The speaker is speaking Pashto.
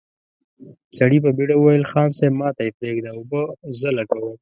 سړي په بېړه وويل: خان صيب، ماته يې پرېږده، اوبه زه لګوم!